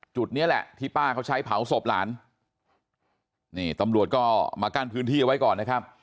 จุดนี้แหละที่ป้าเขาใช้เผาศพหลานนี่ตำรวจก็มากั้นพื้นที่เอาไว้ก่อนนะครับ